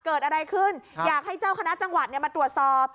เกิดอะไรขึ้นอยากให้เจ้าคณะจังหวัดมาตรวจสอบ